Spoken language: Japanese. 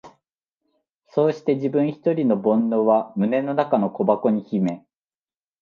そうして自分ひとりの懊悩は胸の中の小箱に秘め、